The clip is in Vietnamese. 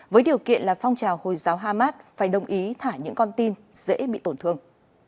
với điều kiện là phong trào hồi giáo hamas phải đồng ý thả những con tin dễ bị tổn thương